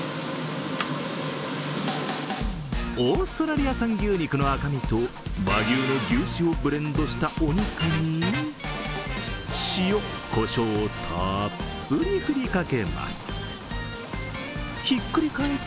オーストラリア産牛肉の赤身と和牛の牛脂をブレンドしたお肉に塩、こしょうをたっぷり振りかけます。